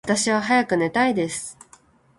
私は早く寝たいです。